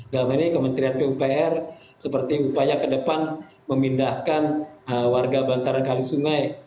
dalam hal ini kementerian pupr seperti upaya ke depan memindahkan warga bantaran kali sungai